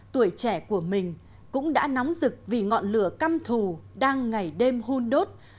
tuổi trẻ của mình cũng đã nóng rực vì ngọn lửa căm thù đang ngày đêm hôn đốt